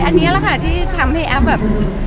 อันนี้แหละค่ะที่ทำให้แอฟแบบ